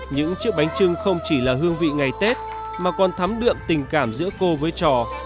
những chiếc bánh trưng không chỉ là hương vị ngày tết mà còn thắm đượm tình cảm giữa cô với trò